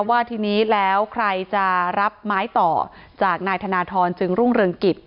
ว่าทีนี้แล้วใครจะรับไม้ต่อจากนายธนทรจึงรุ่งเรืองกิจ